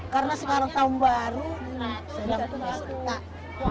karena sekarang tahun baru sedang punya serta